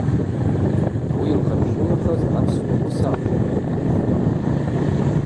Ауи йылхъапщылахаз апсуа уысагӏв Ломиа Кумф йакӏвпӏ.